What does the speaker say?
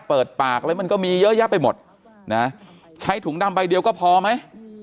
เปิดปากอะไรมันก็มีเยอะแยะไปหมดนะใช้ถุงดำใบเดียวก็พอไหม